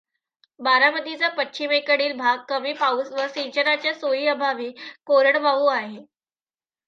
बारामतीचा पश्चिमेकडील भाग कमी पाऊस व सिंचनाच्या सोयीअभावी कोरडवाहू आहे.